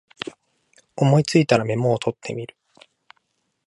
思いついたらメモ取ってみる